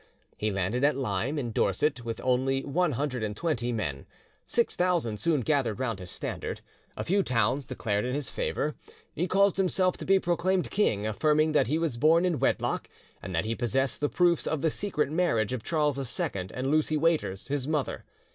He landed at Lyme, in Dorset, with only one hundred and twenty men; six thousand soon gathered round his standard; a few towns declared in his favour; he caused himself to be proclaimed king, affirming that he was born in wedlock, and that he possessed the proofs of the secret marriage of Charles II and Lucy Waiters, his mother.